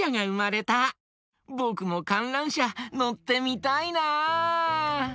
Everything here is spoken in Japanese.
ぼくもかんらんしゃのってみたいな。